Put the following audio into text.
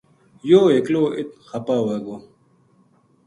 یو ہ ایکلو اِت خپا ہوے گو